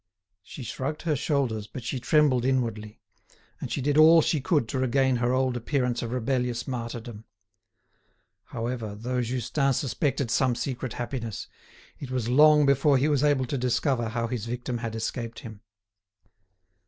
She shrugged her shoulders, but she trembled inwardly; and she did all she could to regain her old appearance of rebellious martyrdom. However, though Justin suspected some secret happiness, it was long before he was able to discover how his victim had escaped him.